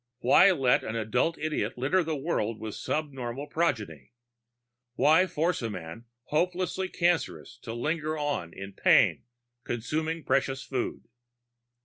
Why let an adult idiot litter the world with subnormal progeny? Why force a man hopelessly cancerous to linger on in pain, consuming precious food?